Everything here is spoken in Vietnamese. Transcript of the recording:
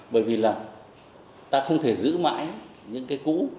bởi vì là ta không thể giữ mãi những cái cũ